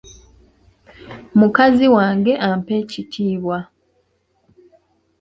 Mukazi wange ampa ekitiibwa.